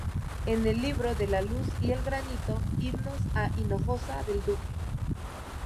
En el libro ""De la luz y el granito: Himnos a Hinojosa del Duque".